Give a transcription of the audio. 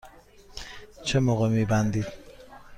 چه موقع می بندید؟